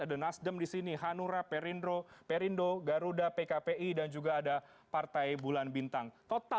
ada nasdem di sini hanura perindro perindo garuda pkpi dan juga ada partai bulan bintang